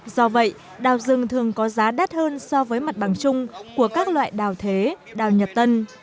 do vậy đào rừng thường có giá đắt hơn so với mặt bằng chung của các loại đào thế đào nhật tân